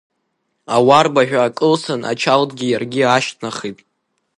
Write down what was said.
Ауарбажә аакылсын, ачалтгьы иаргьы аашьҭнахит.